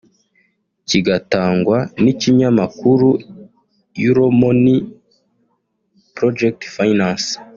kigatangwa n’ikinyamakuru Euromoney Project Finance